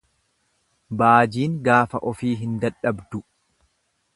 Baajiin gaafa ofii hin dadhabdu.